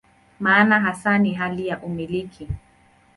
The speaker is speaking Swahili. Maana hasa ni hali ya "umiliki".